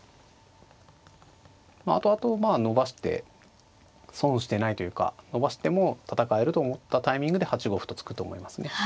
まあ後々伸ばして損してないというか伸ばしても戦えると思ったタイミングで８五歩と突くと思いますね。